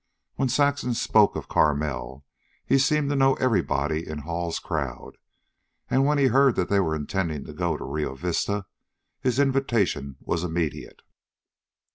When Saxon spoke of Carmel, he seemed to know everybody in Hall's crowd, and when he heard they were intending to go to Rio Vista, his invitation was immediate.